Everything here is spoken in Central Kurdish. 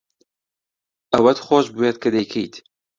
ئەوەت خۆش بوێت کە دەیکەیت.